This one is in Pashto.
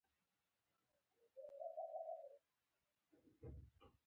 بس همدا یو ځواب وو چې داسې یې ویل.